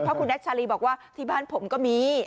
เพราะคุณแน็กชาลีบอกว่าที่บ้านผมก็มี